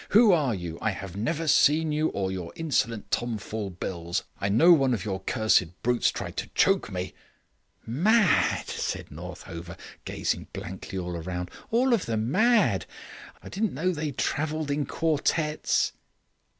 "Who are you? I've never seen you or your insolent tomfool bills. I know one of your cursed brutes tried to choke me " "Mad," said Northover, gazing blankly round; "all of them mad. I didn't know they travelled in quartettes."